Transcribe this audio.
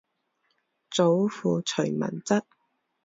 祖父徐文质。